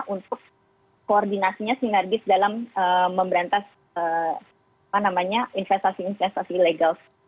untuk koordinasinya sinergis dalam memberantas investasi investasi ilegal